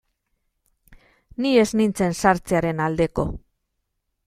Ni ez nintzen sartzearen aldeko.